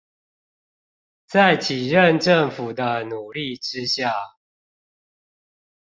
在幾任政府的努力之下